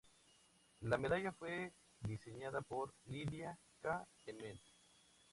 La medalla fue diseñada por Lydia K. Emmet.